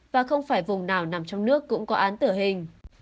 và không phải vùng nào nằm trong nước cũng có án tử hình